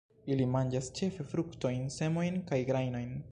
Ili manĝas ĉefe fruktojn, semojn kaj grajnojn.